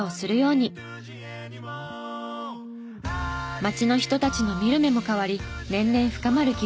町の人たちの見る目も変わり年々深まる絆。